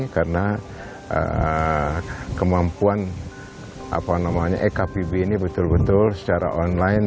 karena kemampuan apa namanya ekpb ini betul betul secara online